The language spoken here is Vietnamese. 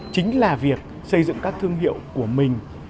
chính là việc xây dựng các thương hiệu của mình